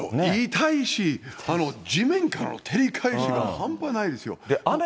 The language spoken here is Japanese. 痛いし、地面からの照り返しが半端ないですよ。